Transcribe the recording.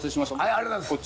ありがとうございます。